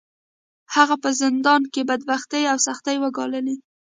هغه په زندان کې بدبختۍ او سختۍ وګاللې.